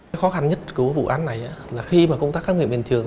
cái khó khăn nhất của vụ án này là khi mà công tác các người bình thường